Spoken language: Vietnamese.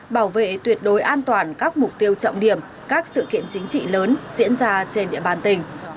bảo vệ tuyệt đối an toàn các mục tiêu trọng điểm các sự kiện chính trị lớn diễn ra trên địa bàn tỉnh